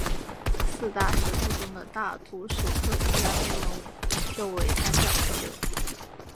四大石窟中的大足石刻主要内容就为三教合流。